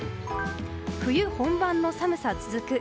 冬本番の寒さ続く。